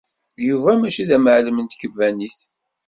Yuba mačči d amɛellem n tkebbanit.